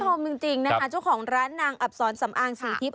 สังคมจริงนะครับช่วงของร้านนางอับซ้อนสำอางสีทิพย์